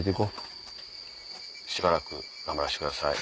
しばらく頑張らしてください。